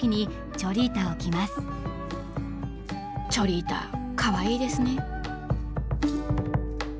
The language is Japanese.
チョリータかわいいですね。